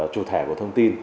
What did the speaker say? trụ thể của thông tin